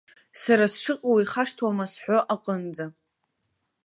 Сара сшыҟоу ихашҭуама сҳәо аҟынӡа.